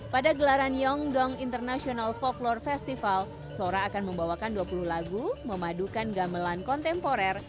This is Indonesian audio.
pada gelaran yongdong international folklore festival sora akan membawakan dua puluh lagu memadukan gamelan kontemporer